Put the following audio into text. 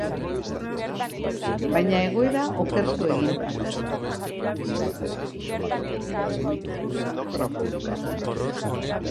Baina egoera okertu egin da.